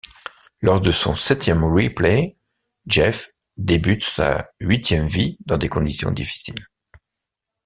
Lors de son septième replay, Jeff débute sa huitième vie dans des conditions difficiles.